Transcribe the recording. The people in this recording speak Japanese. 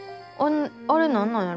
あれなんなんやろ。